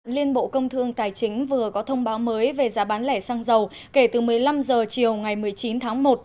liên bộ công thương tài chính vừa có thông báo mới về giá bán lẻ xăng dầu kể từ một mươi năm h chiều ngày một mươi chín tháng một